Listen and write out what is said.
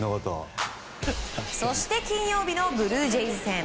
そして金曜日のブルージェイズ戦。